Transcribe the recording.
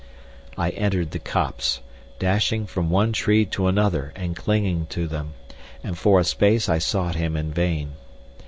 I entered the copse, dashing from one tree to another and clinging to them, and for a space I sought him in vain.